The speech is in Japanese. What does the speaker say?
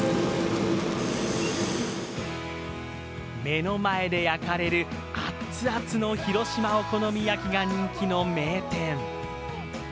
目の前で焼かれるアッツアツの広島お好み焼きが人気の名店。